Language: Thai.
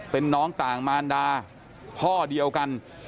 เป็นน้องต่างมารดาพ่อเดียวกัน